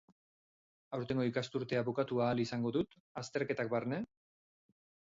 Aurtengo ikasturtea bukatu ahal izango dut, azterketak barne?